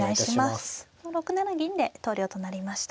６七銀で投了となりました。